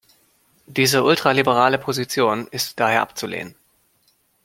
Diese ultraliberale Position ist daher abzulehnen.